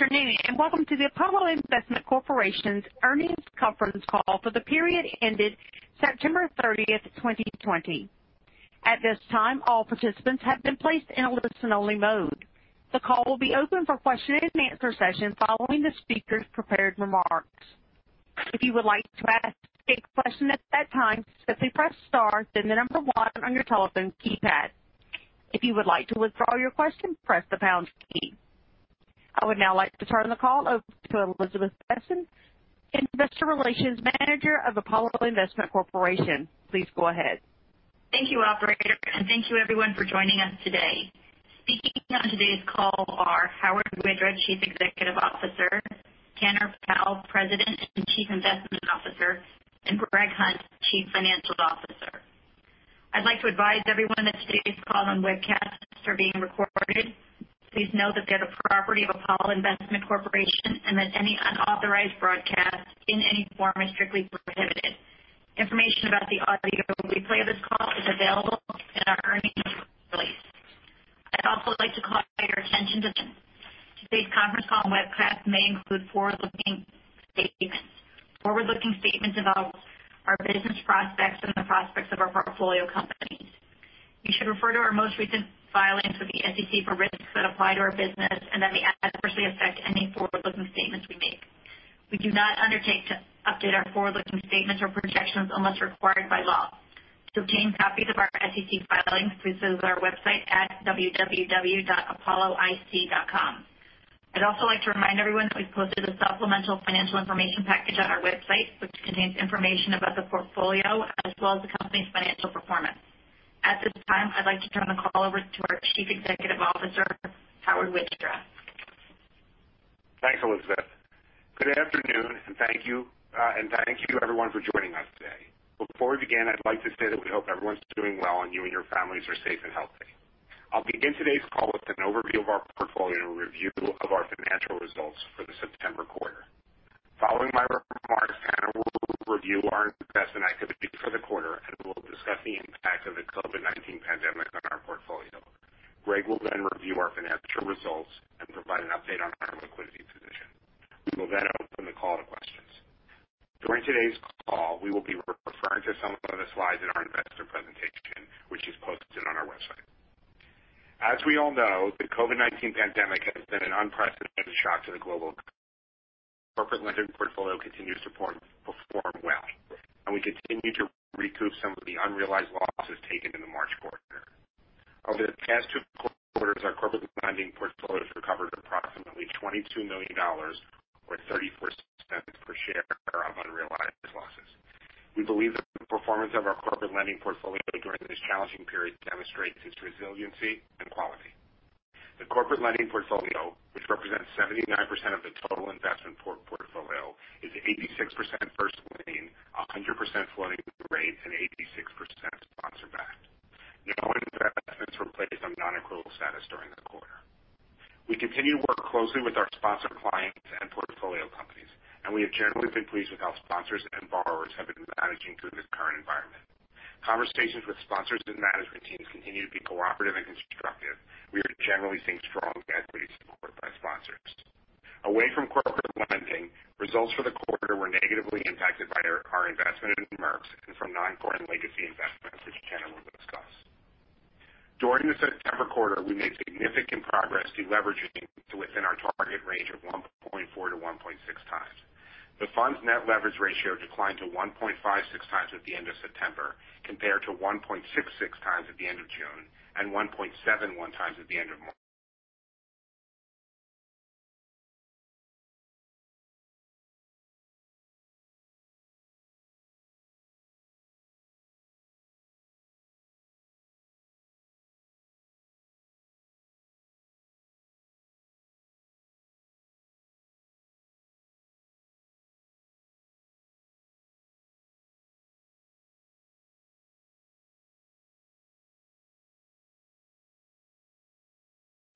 Good afternoon, and welcome to the Apollo Investment Corporation's earnings conference call for the period ended September 30th, 2020. At this time, all participants have been placed in a listen-only mode. The call will be open for question-and-answer session following the speaker's prepared reMerx. If you would like to ask a question at that time, simply press star, then the number one on your telephone keypad. If you would like to withdraw your question, press the pound key. I would now like to turn the call over to Elizabeth Besen, Investor Relations Manager of Apollo Investment Corporation. Please go ahead. Thank you, operator, thank you everyone for joining us today. Speaking on today's call are Howard Widra, Chief Executive Officer, Tanner Powell, President and Chief Investment Officer, and Greg Hunt, Chief Financial Officer. I'd like to advise everyone that today's call and webcast are being recorded. Please note that they're the property of Apollo Investment Corporation, and that any unauthorized broadcast in any form is strictly prohibited. Information about the audio replay of this call is available in our earnings release. I'd also like to call your attention that today's conference call and webcast may include forward-looking statements. Forward-looking statements about our business prospects and the prospects of our portfolio companies. You should refer to our most recent filings with the SEC for risks that apply to our business, and that may adversely affect any forward-looking statements we make. We do not undertake to update our forward-looking statements or projections unless required by law. To obtain copies of our SEC filings, please visit our website at www.apolloic.com. I'd also like to remind everyone that we've posted a supplemental financial information package on our website, which contains information about the portfolio as well as the company's financial performance. At this time, I'd like to turn the call over to our Chief Executive Officer, Howard Widra. Thanks, Elizabeth. Good afternoon, and thank you everyone for joining us today. Before we begin, I'd like to say that we hope everyone's doing well and you and your families are safe and healthy. I'll begin today's call with an overview of our portfolio and review of our financial results for the September quarter. Following my results for the quarter were negatively impacted by our investment in Merx and from non-core and legacy investments, which Tanner will discuss. During the September quarter, we made significant progress deleveraging to within our target range of 1.4x-1.6x. The fund's net leverage ratio declined to 1.56x at the end of September, compared to 1.66x at the end of June and 1.71x at the end of March.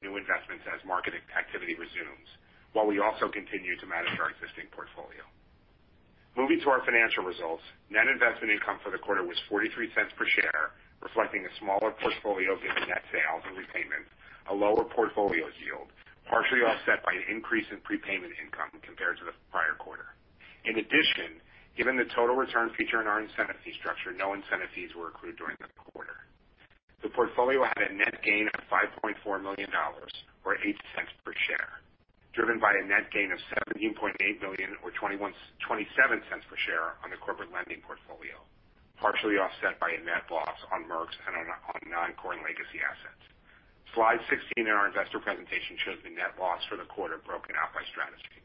New investments as marketing activity resumes, while we also continue to manage our existing portfolio. Moving to our financial results, net investment income for the quarter was $0.43 per share, reflecting a smaller portfolio given net sales and repayment, a lower portfolio yield, partially offset by an increase in prepayment income compared to the prior quarter. In addition, given the total return feature in our incentive fee structure, no incentive fees were accrued during the quarter. The portfolio had a net gain of $5.4 million, or $0.08 per share, driven by a net gain of $17.8 million or $0.27 per share on the corporate lending portfolio, partially offset by a net loss on Merx and on non-core and legacy assets. Slide 16 in our investor presentation shows the net loss for the quarter broken out by strategy.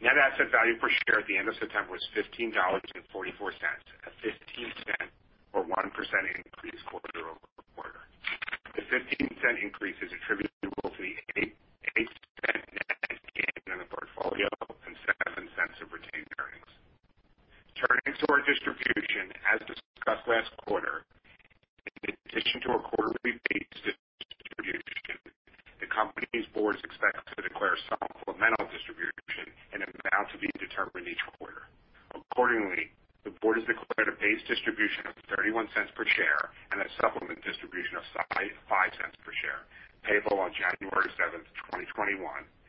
Net asset value per share at the end of September was $15.44, a $0.15 or 1% increase quarter-over-quarter. The $0.15 increase is attributable to the $0.08 net gain in the portfolio and $0.07 of retained earnings. Turning to our distribution, as discussed last quarter, in addition to a quarterly base distribution, the company's Boards expect to declare a supplemental distribution in an amount to be determined each quarter. Accordingly, the Board has declared a base distribution of $0.31 per share and a supplemental distribution of $0.05 per share, payable on January 7th, 2021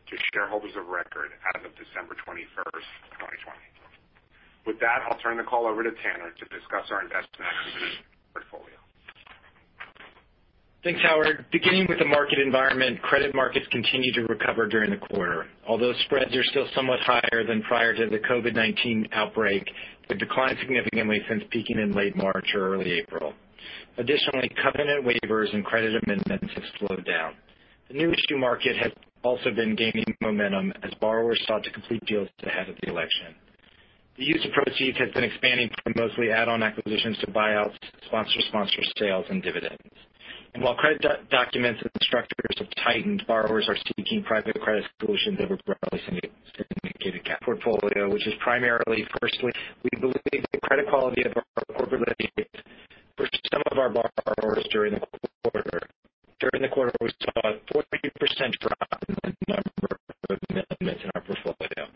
to shareholders of record as of December 21st, 2020. With that, I'll turn the call over to Tanner to discuss our investment activity portfolio. Thanks, Howard. Beginning with the market environment, credit markets continued to recover during the quarter. Although spreads are still somewhat higher than prior to the COVID-19 outbreak, they've declined significantly since peaking in late March or early April. Additionally, covenant waivers and credit amendments have slowed down. The new issue market has also been gaining momentum as borrowers sought to complete deals ahead of the election. The use of proceeds has been expanding from mostly add-on acquisitions to buyouts, sponsor-to-sponsor sales, and dividends. While credit documents and structures have tightened, borrowers are seeking private credit solutions that would broadly portfolio, which is primarily, firstly, we believe the credit quality of our corporate for some of our borrowers during the quarter. During the quarter, we saw a 40% drop in the number of amendments in our portfolio.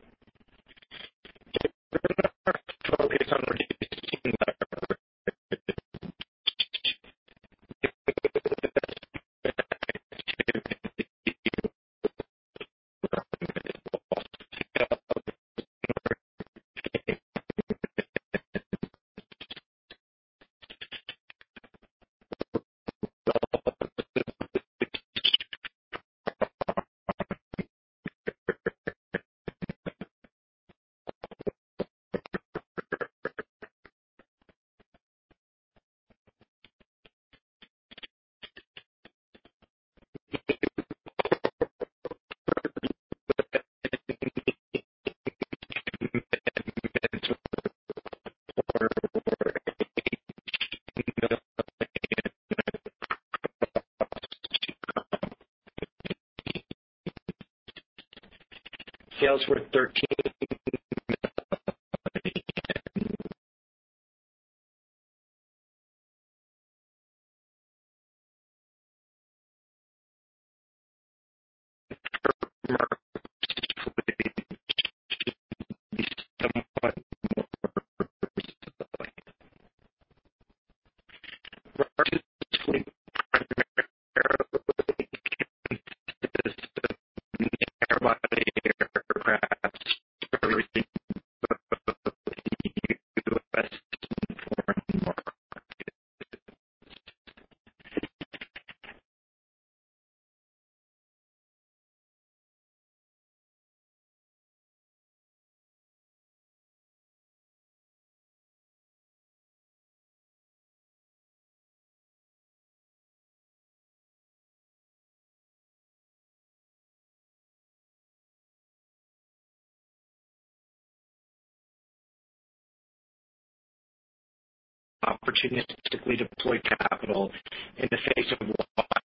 Opportunistically deploy capital in the face of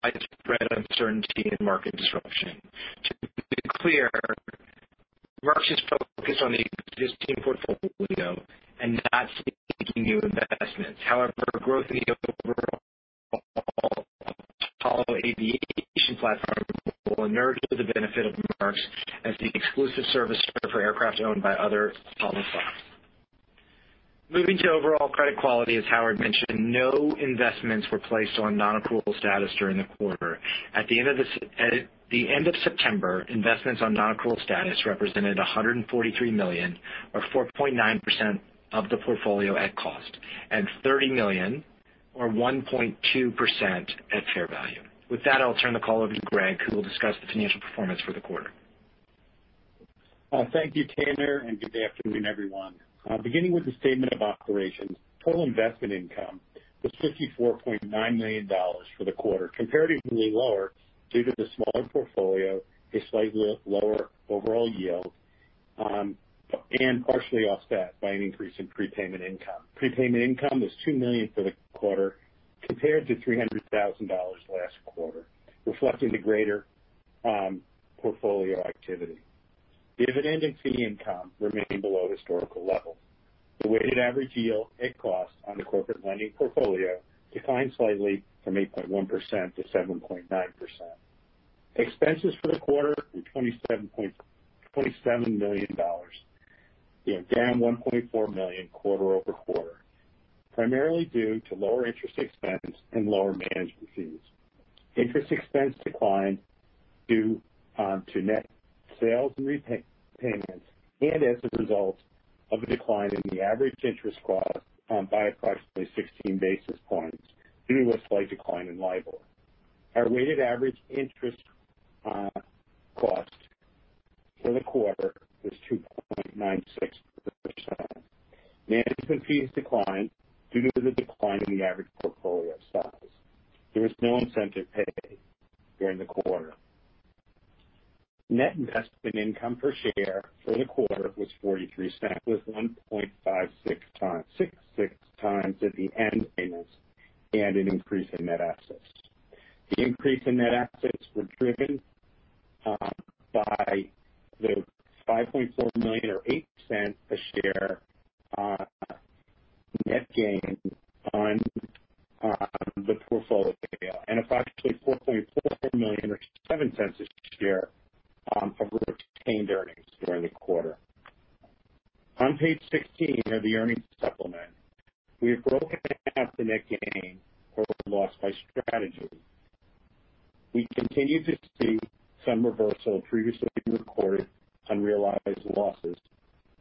widespread uncertainty and market disruption. To be clear, Merx is focused on the existing portfolio and not seeking new investments. However, growth in the overall Apollo aviation platform will emerge to the benefit of Merx as the exclusive servicer for aircraft owned by other Apollo funds. Moving to overall credit quality, as Howard mentioned, no investments were placed on non-accrual status during the quarter. At the end of September, investments on non-accrual status represented $143 million or 4.9% of the portfolio at cost, and $30 million or 1.2% at fair value. With that, I'll turn the call over to Greg, who will discuss the financial performance for the quarter. Thank you, Tanner, and good afternoon, everyone. Beginning with the statement of operations. Total investment income was $54.9 million for the quarter, comparatively lower due to the smaller portfolio, a slightly lower overall yield, and partially offset by an increase in prepayment income. Prepayment income was $2 million for the quarter, compared to $300,000 last quarter, reflecting the greater portfolio activity. Dividend and fee income remained below historical levels. The weighted average yield at cost on the corporate lending portfolio declined slightly from 8.1% to 7.9%. Expenses for the quarter were $27 million, being down $1.4 million quarter-over-quarter, primarily due to lower interest expense and lower management fees. Interest expense declined due to net sales and repayments and as a result of a decline in the average interest cost by approximately 16 basis points due to a slight decline in LIBOR. Our weighted average interest cost for the quarter was 2.96%. Management fees declined due to the decline in the average portfolio size. There was no incentive paid during the quarter. Net investment income per share for the quarter was $0.43, was 1.56x at the end and an increase in net assets. The increase in net assets were driven by the $5.4 million or $0.08 a share net gain on the portfolio sale and approximately $4.44 million or $0.07 a share of retained earnings during the quarter. On page 16 of the earnings supplement, we have broken out the net gain or loss by strategy. We continue to see some reversal of previously recorded unrealized losses,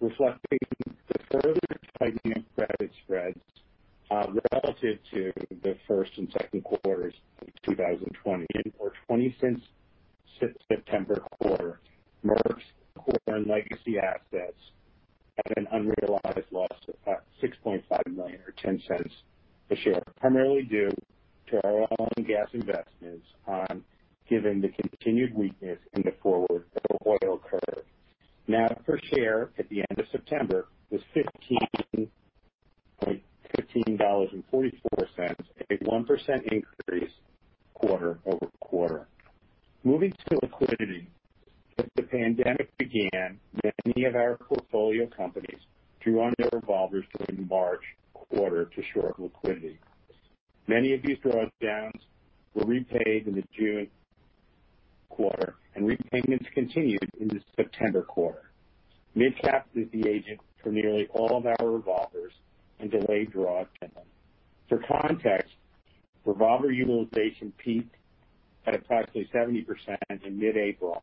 reflecting the further tightening of credit spreads relative to the first and second quarters of 2020. In our 2020 September quarter, Merx core and legacy assets at an unrealized loss of $6.5 million or $0.10 a share, primarily due to our oil and gas investments given the continued weakness in the forward oil curve. NAV per share at the end of September was $15.44, a 1% increase quarter-over-quarter. Moving to liquidity. As the pandemic began, many of our portfolio companies drew on their revolvers during March quarter to shore up liquidity. Many of these drawdowns were repaid in the June quarter, and repayments continued in the September quarter. MidCap is the agent for nearly all of our revolvers and delayed drawdown. For context, revolver utilization peaked at approximately 70% in mid-April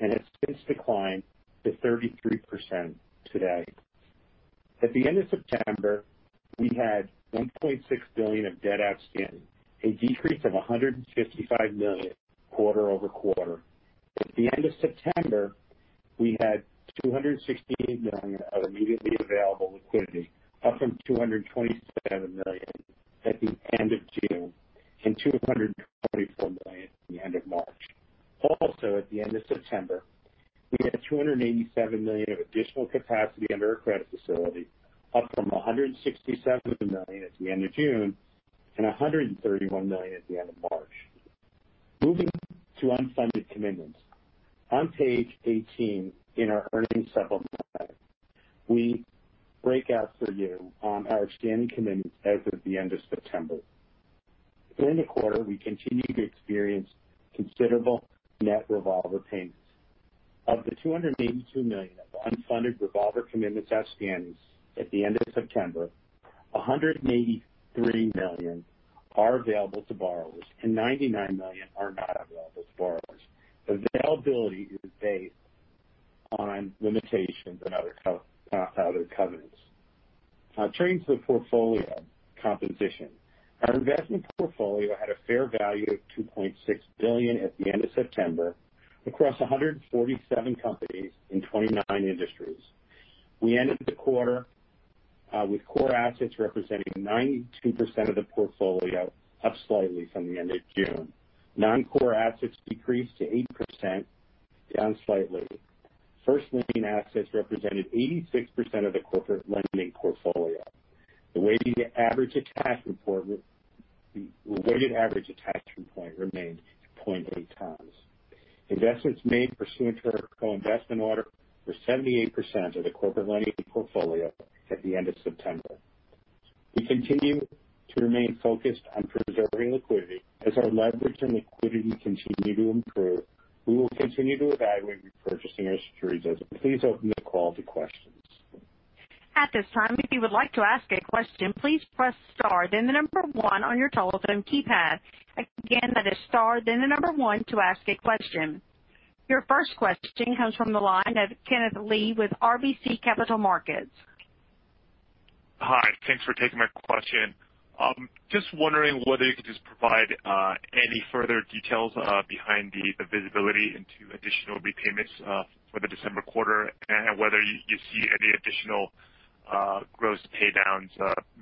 and has since declined to 33% today. At the end of September, we had $1.6 billion of debt outstanding, a decrease of $155 million quarter-over-quarter. At the end of September, we had $216 million of immediately available liquidity, up from $227 million at the end of June and $224 million at the end of March. Also, at the end of September, we had $287 million of additional capacity under our credit facility, up from $167 million at the end of June and $131 million at the end of March. Moving to unfunded commitments. On page 18 in our earnings supplement, we break out for you our outstanding commitments as of the end of September. During the quarter, we continued to experience considerable net revolver payments. Of the $282 million of unfunded revolver commitments outstandings at the end of September, $183 million are available to borrowers and $99 million are not available to borrowers. Availability is based on limitations and other covenants. Now turning to the portfolio composition. Our investment portfolio had a fair value of $2.6 billion at the end of September across 147 companies in 29 industries. We ended the quarter with core assets representing 92% of the portfolio, up slightly from the end of June. Non-core assets decreased to 8%, down slightly. First lien assets represented 86% of the corporate lending portfolio. The weighted average attachment point remained 0.8x. Investments made pursuant to our co-investment order were 78% of the corporate lending portfolio at the end of September. We continue to remain focused on preserving liquidity. As our leverage and liquidity continue to improve, we will continue to evaluate repurchasing our securities. Please open the call to questions. At this time, if you would like to ask a question, please press star, then the number one on your telephone keypad. Again, that is star, then the number one to ask a question. Your first question comes from the line of Kenneth Lee with RBC Capital Markets. Hi. Thanks for taking my question. Just wondering whether you could just provide any further details behind the visibility into additional repayments for the December quarter and whether you see any additional gross paydowns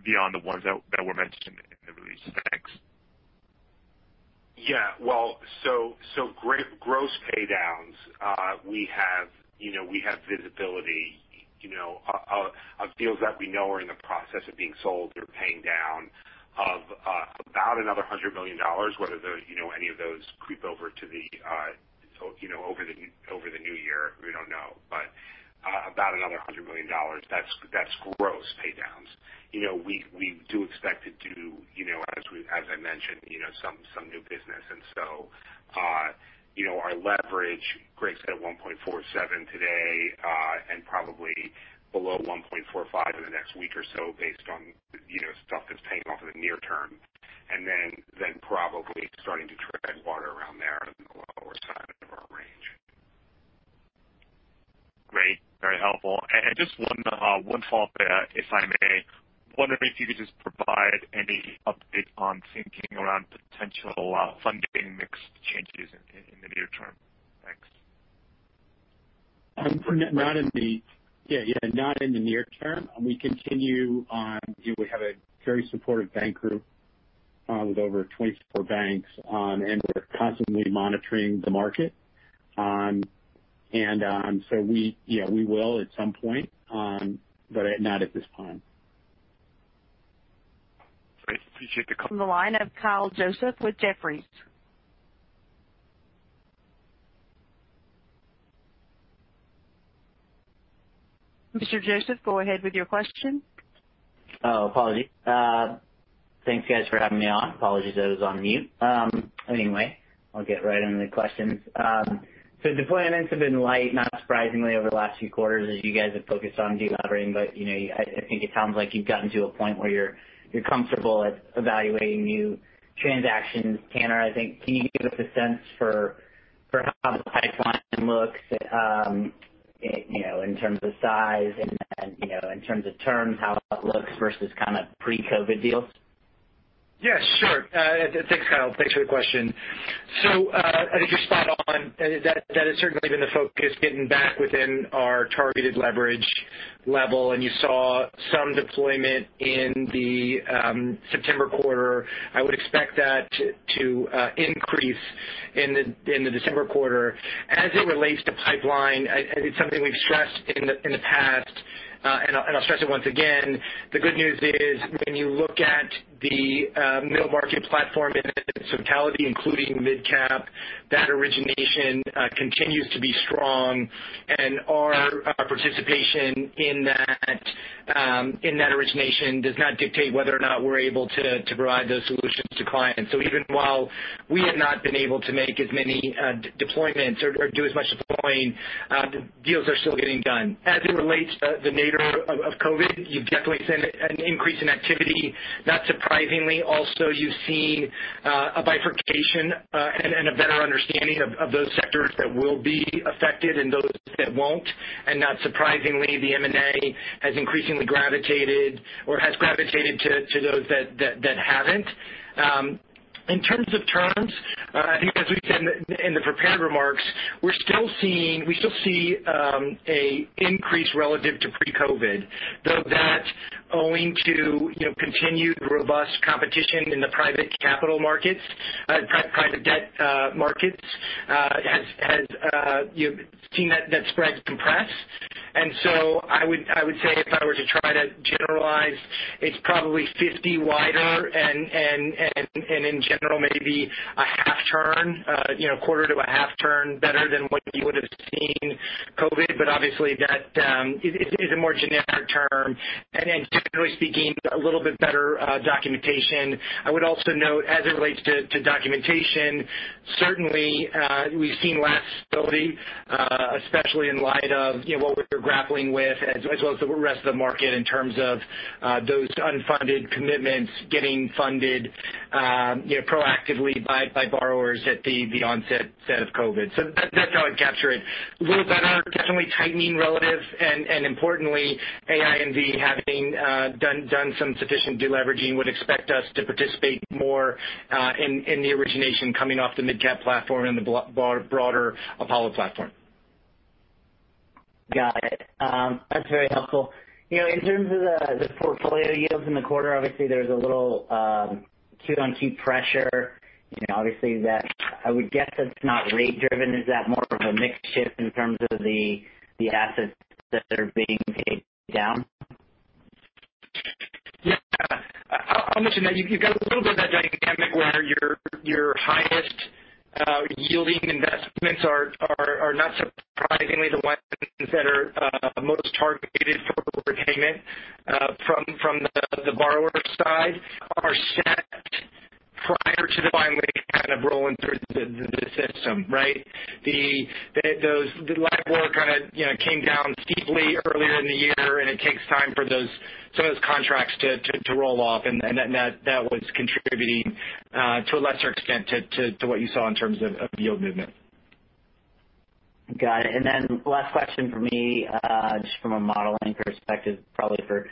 beyond the ones that were mentioned in the release. Thanks. Well, gross paydowns. We have visibility of deals that we know are in the process of being sold or paying down of about another $100 million. Whether any of those creep over the new year, we don't know. About another $100 million. That's gross paydowns. We do expect to do, as I mentioned, some new business. Our leverage, Greg said, 1.47x today, and probably below 1.45x in the next week or so based on stuff that's paying off in the near term. Then probably starting to tread water around there on the lower side of our range. Great. Very helpful. Just one follow-up, if I may. Wondering if you could just provide any update on thinking around potential funding mix changes in the near term. Thanks. Not in the near term. We have a very supportive bank group with over 24 banks, and we're constantly monitoring the market. So we will at some point, but not at this time. Great. Appreciate the call. From the line of Kyle Joseph with Jefferies. Mr. Joseph, go ahead with your question. Oh, apologies. Thanks, guys, for having me on. Apologies, I was on mute. Anyway, I'll get right into the questions. Deployments have been light, not surprisingly, over the last few quarters as you guys have focused on de-levering. I think it sounds like you've gotten to a point where you're comfortable at evaluating new transactions. Tanner, I think, can you give us a sense for how the pipeline looks in terms of size and in terms of terms, how it looks versus kind of pre-COVID deals? Yeah, sure. Thanks, Kyle. Thanks for the question. I think you're spot on. That has certainly been the focus, getting back within our targeted leverage level. You saw some deployment in the September quarter. I would expect that to increase in the December quarter. As it relates to pipeline, it's something we've stressed in the past, and I'll stress it once again. The good news is when you look at the middle market platform in its totality, including MidCap, that origination continues to be strong. Our participation in that origination does not dictate whether or not we're able to provide those solutions to clients. Even while we have not been able to make as many deployments or do as much deploying, deals are still getting done. As it relates to the nature of COVID-19, you've definitely seen an increase in activity. Not surprisingly, also, you've seen a bifurcation and a better understanding of those sectors that will be affected and those that won't. Not surprisingly, the M&A has increasingly gravitated or has gravitated to those that haven't. In terms of terms, I think as we've said in the prepared reMerx, we still see an increase relative to pre-COVID. That's owing to continued robust competition in the private capital markets, private debt markets has seen that spread compress. I would say if I were to try to generalize, it's probably 50 wider and in general maybe a half turn, quarter to a half turn better than what you would've seen COVID. Obviously that is a more generic term. Generally speaking, a little bit better documentation. I would also note as it relates to documentation, certainly we've seen less stability, especially in light of what we're grappling with as well as the rest of the market in terms of those unfunded commitments getting funded proactively by borrowers at the onset of COVID. That's how I'd capture it, a little better, definitely tightening relative and importantly, AINV having done some sufficient de-leveraging would expect us to participate more in the origination coming off the MidCap platform and the broader Apollo platform. Got it. That's very helpful. In terms of the portfolio yields in the quarter, obviously there's a little quarter-on-quarter pressure. Obviously I would guess that's not rate driven. Is that more of a mix shift in terms of the assets that are being paid down? Yeah. I'll mention that you've got a little bit of that dynamic where your highest yielding investments are not surprisingly the ones that are most targeted for repayment from the borrower side are set prior to the the system, right? The LIBOR kind of came down steeply earlier in the year, it takes time for some of those contracts to roll off. That was contributing to a lesser extent to what you saw in terms of yield movement. Got it. Last question from me just from a modeling perspective, probably for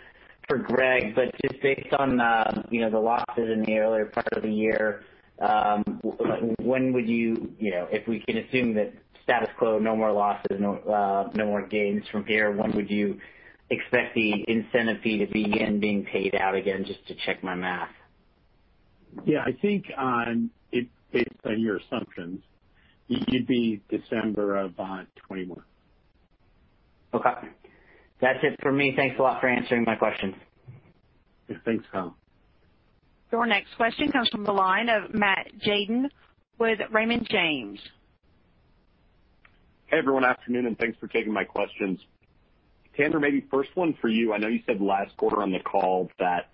Greg. Just based on the losses in the earlier part of the year, if we can assume that status quo, no more losses, no more gains from here, when would you expect the incentive fee to begin being paid out again? Just to check my math. Yeah. I think based on your assumptions, it'd be December of 2021. Okay. That's it for me. Thanks a lot for answering my questions. Yeah. Thanks, Kyle. Your next question comes from the line of Matt Tjaden with Raymond James. Hey, everyone. Afternoon, and thanks for taking my questions. Tanner, maybe first one for you. I know you said last quarter on the call that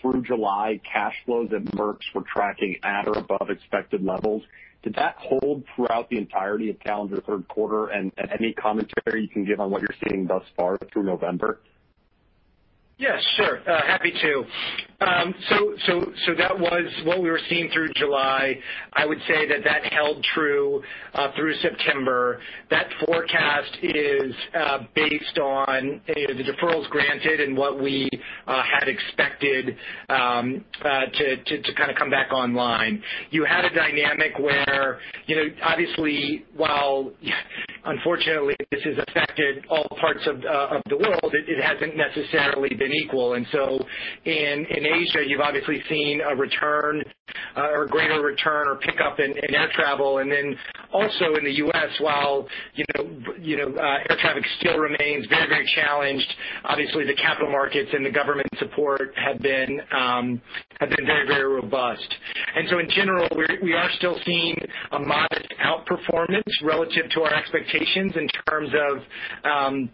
through July, cash flows and Merx were tracking at or above expected levels. Did that hold throughout the entirety of calendar third quarter? Any commentary you can give on what you're seeing thus far through November? Yeah, sure. Happy to. That was what we were seeing through July. I would say that held true through September. That forecast is based on the deferrals granted and what we had expected to kind of come back online. You had a dynamic where obviously while unfortunately this has affected all parts of the world, it hasn't necessarily been equal. In Asia, you've obviously seen a return or greater return or pickup in air travel. Also in the U.S., while air traffic still remains very challenged, obviously the capital markets and the government support have been very robust. In general, we are still seeing a modest outperformance relative to our expectations in terms of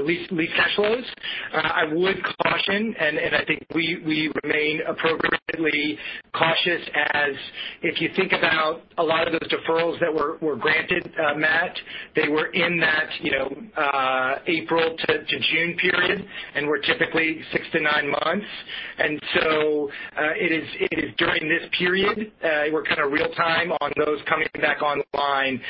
lease cash flows. I would caution, and I think we remain appropriately cautious as if you think about a lot of those deferrals that were granted, Matt, they were in that April to June period and were typically six to nine months. It is during this period, we're kind of real time on those coming back online.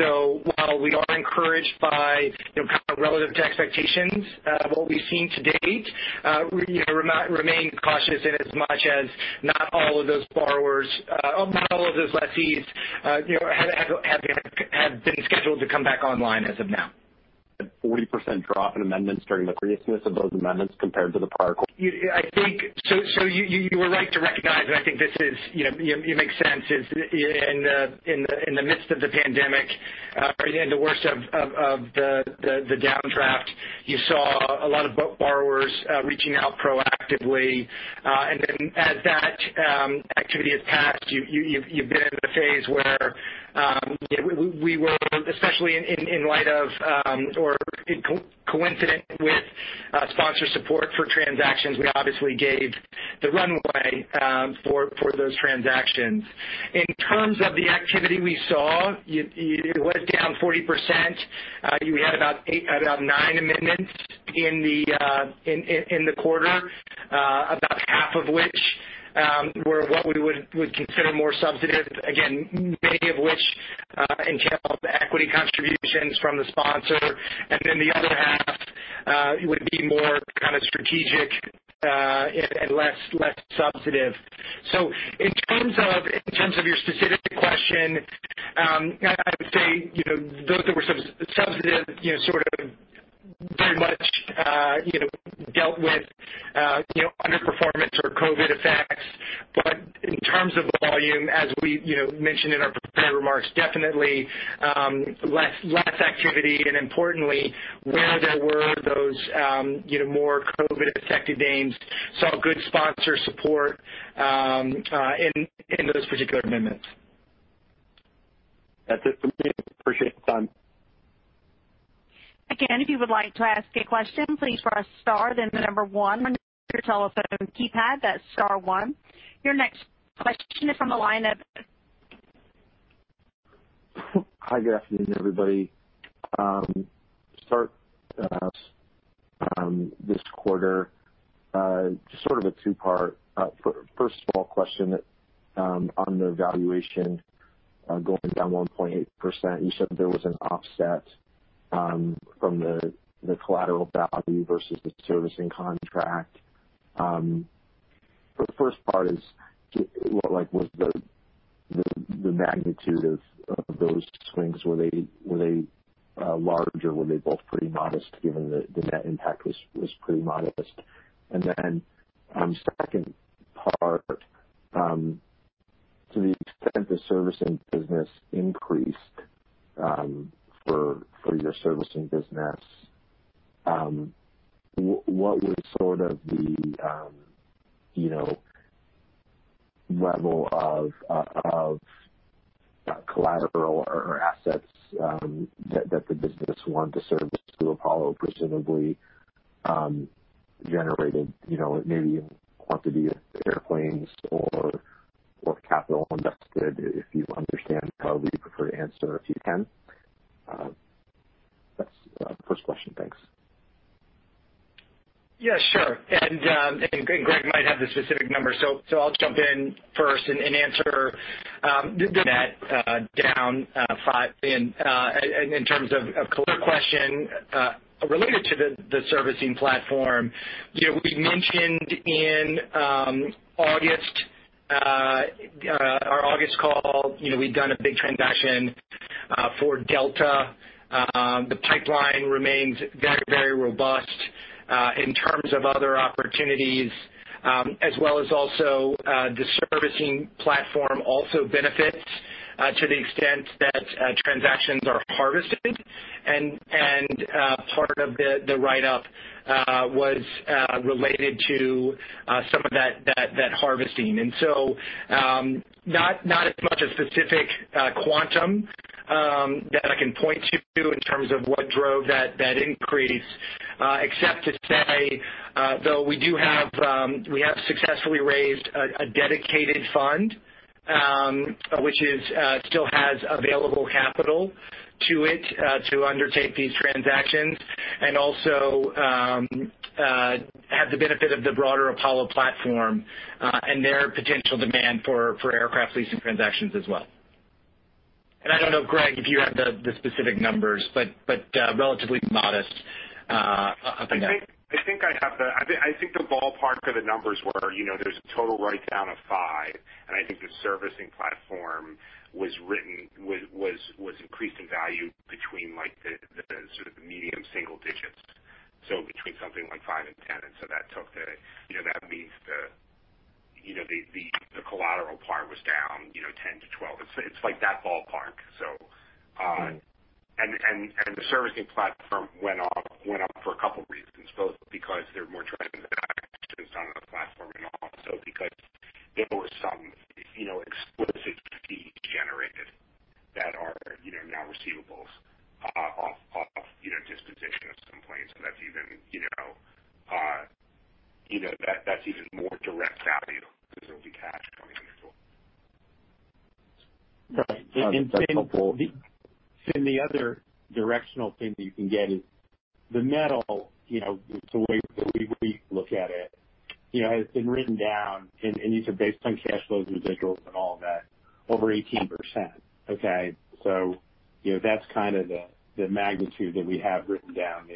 While we are encouraged by kind of relative to expectations of what we've seen to date, we remain cautious in as much as not all of those borrowers, not all of those lessees have been scheduled to come back online as of now. 40% drop in amendments during the of those amendments compared to the prior quarter. You were right to recognize, and I think it makes sense, is in the midst of the pandemic, in the worst of the downdraft, you saw a lot of borrowers reaching out proactively. As that activity has passed, you've been in a phase where we were, especially in light of or coincident with sponsor support for transactions, we obviously gave the runway for those transactions. In terms of the activity we saw, it was down 40%. You had about nine amendments in the quarter about half of which were what we would consider more substantive. Again, many of which entailed equity contributions from the sponsor. The other half would be more kind of strategic and less substantive. In terms of your specific question, I would say those that were substantive, sort of very much dealt with underperformance or COVID effects. In terms of volume, as we mentioned in our prepared reMerx, definitely less activity and importantly, where there were those more COVID affected AINV saw good sponsor support in those particular amendments. That's it for me. Appreciate the time. Again, if you would like to ask a question, please press star, then the number one on your telephone keypad. That's star one. Your next question is from the line of Hi, good afternoon, everybody. Start this quarter, just sort of a two-part. First of all, question on the valuation going down 1.8%, you said that there was an offset from the collateral value versus the servicing contract. The first part is what was the magnitude of those swings? Were they larger? Were they both pretty modest given the net impact was pretty modest. Second part, to the extent the servicing business increased for your servicing business, what was sort of the level of collateral or assets that the business wanted to service to Apollo presumably generated, maybe in quantity of airplanes or capital invested, if you understand how we'd prefer to answer, if you can. That's the first question. Thanks. Yeah, sure. Greg might have the specific number. I'll jump in first and answer that down five in terms of color question related to the servicing platform. We mentioned in our August call, we'd done a big transaction for Delta. The pipeline remains very, very robust in terms of other opportunities as well as also the servicing platform also benefits to the extent that transactions are harvested. Part of the write-up was related to some of that harvesting. Not as much a specific quantum that I can point to in terms of what drove that increase except to say, though we have successfully raised a dedicated fund, which still has available capital to it to undertake these transactions and also have the benefit of the broader Apollo platform and their potential demand for aircraft leasing transactions as well. I don't know, Greg, if you have the specific numbers, but relatively modest up and down. I think the ballpark of the numbers were there's a total write-down of $5. I think the servicing platform was increased in value between the sort of the medium single digits. Between something like $5 and $10. That means the collateral part was down $10-$12. It's like that ballpark. The servicing platform went up for a couple reasons. Both because there are more transactions on the platform and also because there were some explicit fees generated that are now receivables off disposition of some planes. That's even more direct value because there'll be cash coming in the door. Right. Then the other directional thing that you can get is the net, the way we look at it, has been written down, and these are based on cash flow residuals and all of that, over 18%. Okay? That's kind of the magnitude that we have written down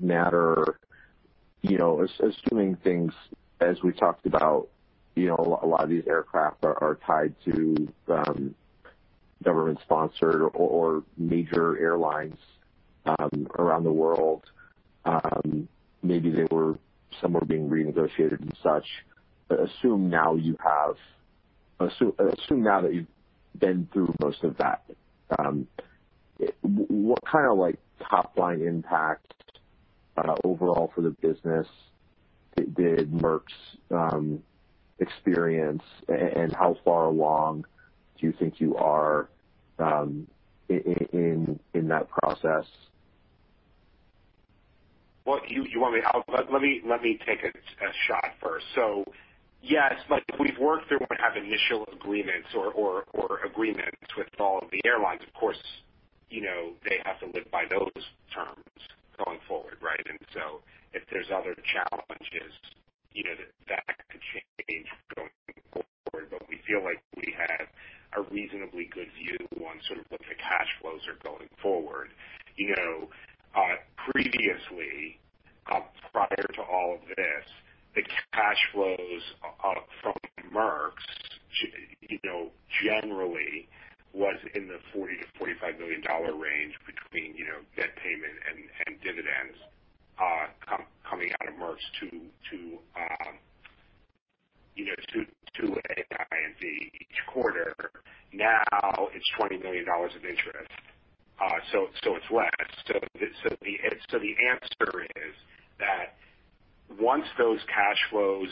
[Matter], assuming things as we talked about, a lot of these aircraft are tied to government-sponsored or major airlines around the world. Maybe some were being renegotiated and such. Assume now that you've been through most of that. What kind of top-line impact overall for the business did Merx experience, and how far along do you think you are in that process? Well, let me take a shot first. Yes, we've worked through and have initial agreements or agreements with all of the airlines. Of course, they have to live by those terms going forward, right? If there's other challenges, that could change going forward. We feel like we have a reasonably good view on sort of what the cash flows are going forward. Previously, prior to all of this, the cash flows from Merx, generally, was in the $40 million-$45 million range between debt payment and dividends coming out of Merx to AINV each quarter. Now it's $20 million of interest. It's less. The answer is that once those cash flows,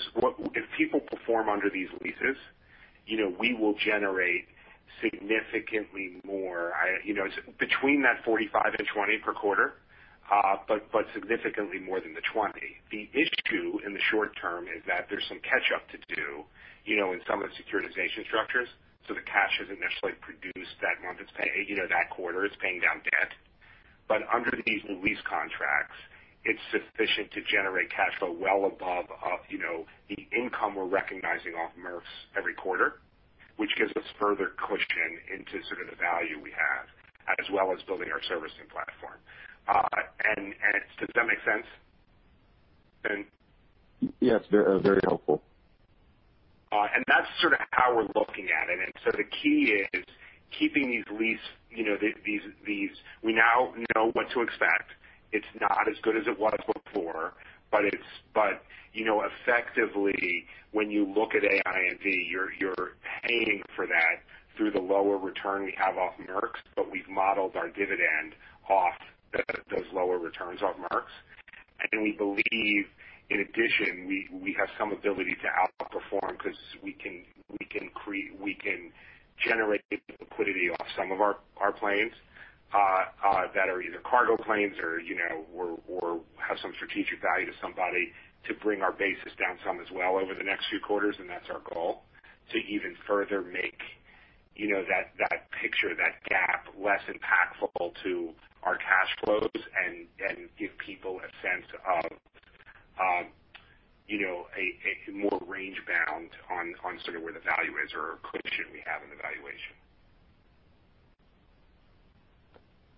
if people perform under these leases, we will generate significantly more. Between that $45 and $20 per quarter, but significantly more than the $20. The issue, in the short term, is that there's some catch-up to do in some of the securitization structures. The cash isn't necessarily produced that month, it's paid that quarter, it's paying down debt. Under these new lease contracts, it's sufficient to generate cash flow well above the income we're recognizing off Merx every quarter, which gives us further cushion into sort of the value we have, as well as building our servicing platform. Does that make sense? Yes. Very helpful. That's sort of how we're looking at it. The key is keeping these lease We now know what to expect. It's not as good as it was before, but effectively, when you look at AINV, you're paying for that through the lower return we have off Merx, but we've modeled our dividend off those lower returns off Merx. We believe, in addition, we have some ability to outperform because we can generate liquidity off some of our planes that are either cargo planes or have some strategic value to somebody to bring our basis down some as well over the next few quarters, and that's our goal, to even further make that picture, that gap, less impactful to our cash flows and give people a sense of a more range bound on sort of where the value is or cushion we have in the valuation.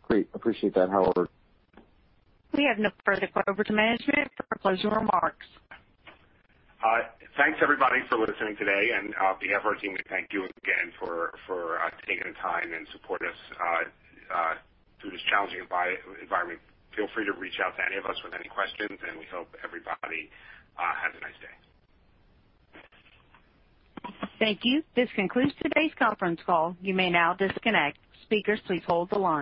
Great. Appreciate that, Howard. We have no further questions over to management for closing reMerx. Thanks everybody for listening today, and on behalf of our team, we thank you again for taking the time and support us through this challenging environment. Feel free to reach out to any of us with any questions, and we hope everybody has a nice day. Thank you. This concludes today's conference call. You may now disconnect. Speakers, please hold the line.